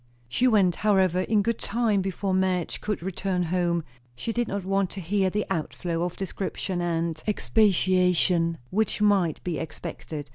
She went, however, in good time, before Madge could return home; she did not want to hear the outflow of description and expatiation which might be expected.